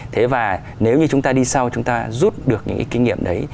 thế và nếu như chúng ta đi sau chúng ta rút được những cái kinh nghiệm đấy